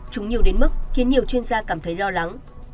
chúng nhiều đến mức khiến nhiều chuyên gia cảm thấy lo lắng